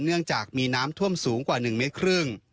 เนื่องจากมีน้ำท่วมสูงกว่า๑เมตรครึ่ง